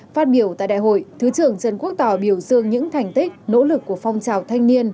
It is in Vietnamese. phát biểu tại đại hội thứ trưởng trần quốc tỏ biểu dương những thành tích nỗ lực của phong trào thanh niên